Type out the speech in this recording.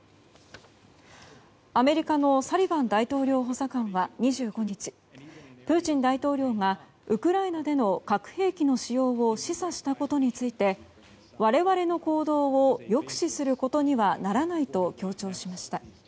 アメリカのサリバン大統領補佐官は２５日プーチン大統領がウクライナでの核兵器の使用を示唆したことについて我々の行動を抑止することにはならないと強調しました。